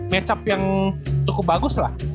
matchup yang cukup bagus lah